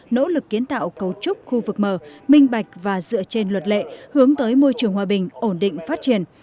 nỗ lực kiến tạo cấu trúc khu vực mở minh bạch và dựa trên luật lệ hướng tới môi trường hòa bình ổn định phát triển